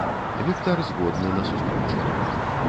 Віктар згодны на сустрэчу.